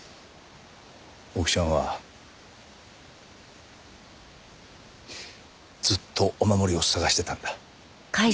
大木ちゃんはずっとお守りを捜してたんだ。